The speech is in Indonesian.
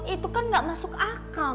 itu kan gak masuk akal